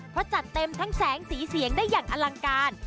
เพราะจัดเต็มทั้งแสงสีเสียงได้อย่างอลังการ